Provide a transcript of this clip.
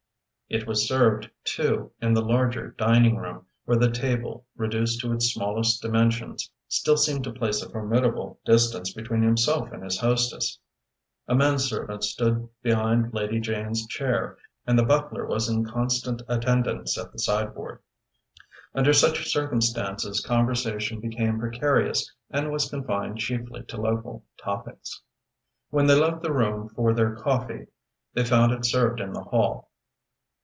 It was served, too, in the larger dining room, where the table, reduced to its smallest dimensions, still seemed to place a formidable distance between himself and his hostess. A manservant stood behind Lady Jane's chair, and the butler was in constant attendance at the sideboard. Under such circumstances, conversation became precarious and was confined chiefly to local topics. When they left the room for their coffee, they found it served in the hall.